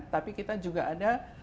tapi kita juga ada